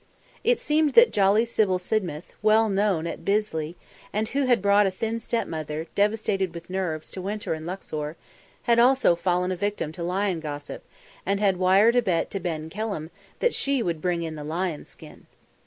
It seemed that jolly Sybil Sidmouth, well known at Bisley and who had brought a thin stepmother devastated with nerves to winter in Luxor, had also fallen a victim to lion gossip, and had wired a bet to Ben Kelham that she would bring in the lion's skin.